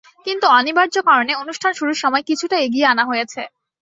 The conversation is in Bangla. কিন্তু অনিবার্য কারণে অনুষ্ঠান শুরুর সময় কিছুটা এগিয়ে আনা হয়েছে।